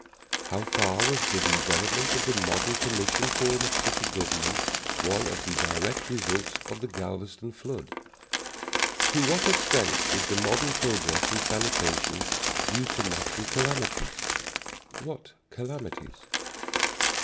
How far was the development of the modern commission form of city government one of the direct results of the Galveston flood? To what extent is the modern progress in sanitation due to natural calamities? What calamities?